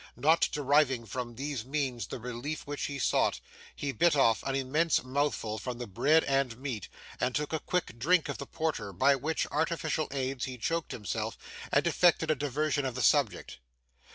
Not deriving from these means the relief which he sought, he bit off an immense mouthful from the bread and meat, and took a quick drink of the porter; by which artificial aids he choked himself and effected a diversion of the subject.